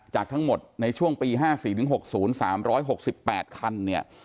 จากทั้งหมดในช่วงปีห้าสี่หนึ่งหกศูนย์สามร้อยหกสิบแปดคันเนี่ย